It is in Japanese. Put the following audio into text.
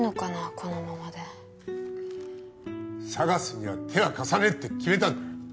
このままでＳＡＧＡＳには手は貸さねえって決めたんだ